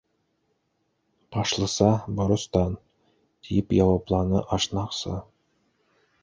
—Башлыса, боростан, —тип яуапланы ашнаҡсы.